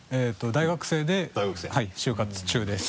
大学生で就活中です。